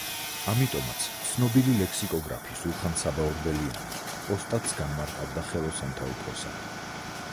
ამიტომაც ცნობილი ლექსიკოგრაფი სულხან-საბა ორბელიანი „ოსტატს“ განმარტავდა „ხელოსანთა უფროსად“.